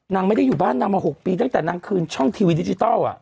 ไม่ได้อยู่บ้านนางมา๖ปีตั้งแต่นางคืนช่องทีวีดิจิทัล